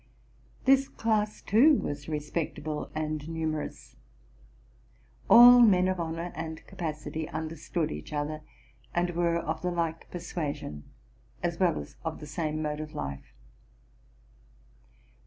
This class, too, was respectable and numer ous: all men of honor and capacity understood each other, and were of the like persuasion, as well as of the same mode of life.